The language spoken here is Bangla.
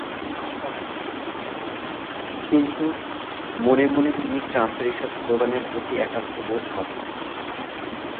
কিন্তু মনে মনে তিনি ট্রাম্পের এসব স্লোগানের প্রতিই একাত্ম বোধ করেন।